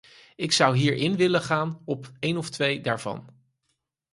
Ik zou hier in willen gaan op een of twee daarvan.